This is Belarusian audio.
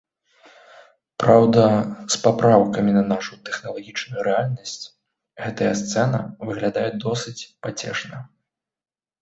Праўда, з папраўкай на нашу тэхналагічную рэальнасць гэтая сцэна выглядае досыць пацешна.